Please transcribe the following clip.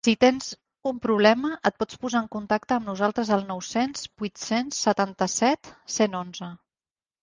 Si tens un problema, et pots posar en contacte amb nosaltres al nou-cents vuit-cents setanta-set cent onze.